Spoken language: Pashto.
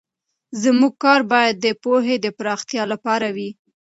زموږ کار باید د پوهې د پراختیا لپاره وي.